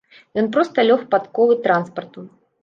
Ён проста лёг пад колы транспарту.